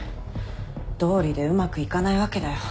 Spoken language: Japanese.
どうりでうまくいかないわけだよ。